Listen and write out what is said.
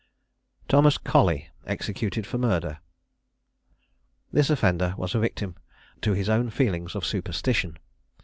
THOMAS COLLEY. EXECUTED FOR MURDER. This offender was a victim to his own feelings of superstition.